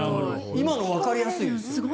今のわかりやすいですね。